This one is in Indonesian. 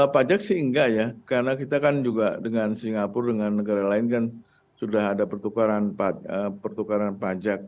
pajak sih enggak ya karena kita kan juga dengan singapura dengan negara lain kan sudah ada pertukaran pajak